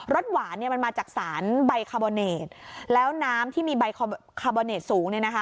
รสหวานมันมาจากสารไบคาร์บอนเนตแล้วน้ำที่มีไบคาร์บอนเนตสูง